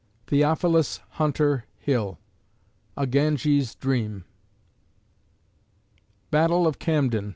THEOPHILUS HUNTER HILL (A Ganges Dream) _Battle of Camden, S.